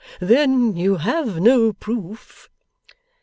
Then you have no proof.